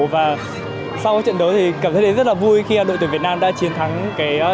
và sau trận đấu thì cảm thấy rất là vui khi đội tuyển việt nam đã chiến thắng trận ngày hôm nay